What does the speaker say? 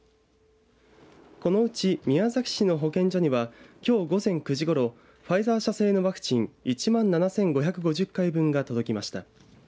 このうち、宮崎市の保健所にはきょう午前９時ごろファイザー社製のワクチン１万７５５０回分が届きました。